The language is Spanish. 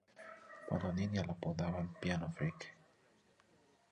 Cuando niña la apodaban "Piano Freak".